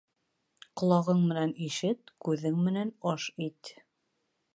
Ҡолағың менән ишет, күҙең менән аш ит.